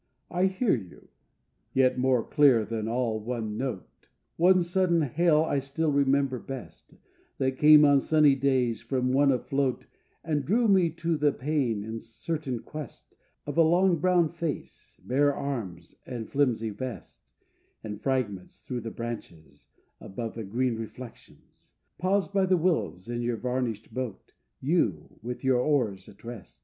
I hear you: yet more clear than all one note, One sudden hail I still remember best, That came on sunny days from one afloat And drew me to the pane in certain quest Of a long brown face, bare arms and flimsy vest, In fragments through the branches, Above the green reflections: Paused by the willows in your varnished boat You, with your oars at rest.